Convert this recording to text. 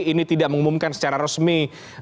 ini tidak mengumumkan secara resmi